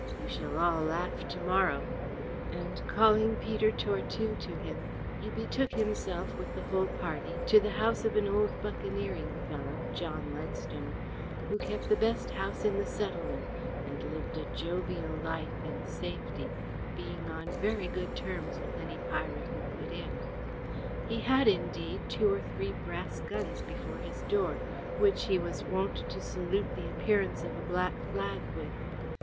You shall all laugh to morrow;" and calling Peter Tortue to him, he betook himself with the whole party to the house of an old buccaneering fellow, John Leadstone, who kept the best house in the settlement, and lived a jovial life in safety, being on very good terms with any pirate who put in. He had, indeed, two or three brass guns before his door, which he was wont to salute the appearance of a black flag with.